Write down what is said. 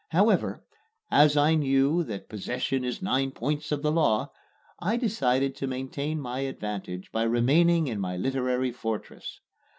However, as I knew that "possession is nine points of the law," I decided to maintain my advantage by remaining in my literary fortress.